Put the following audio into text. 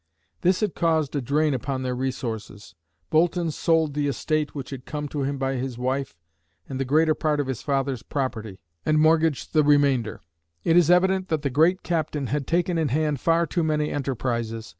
This had caused a drain upon their resources. Boulton sold the estate which had come to him by his wife, and the greater part of his father's property, and mortgaged the remainder. It is evident that the great captain had taken in hand far too many enterprises.